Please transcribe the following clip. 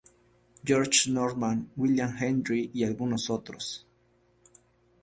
George Norman, William Hendry, y algunos otros.